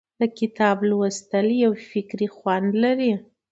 د کتاب لوستل یو فکري خوند لري.